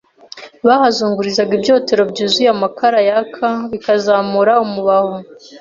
Bahazungurizaga ibyotero byuzuye amakara yaka, bikazamura umubavi.